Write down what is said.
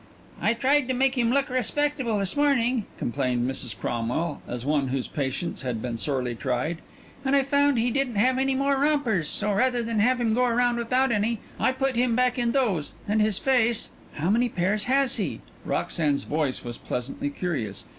"I tried to make him look respectable this morning," complained Mrs. Cromwell as one whose patience had been sorely tried, "and I found he didn't have any more rompers so rather than have him go round without any I put him back in those and his face " "How many pairs has he?" Roxanne's voice was pleasantly curious.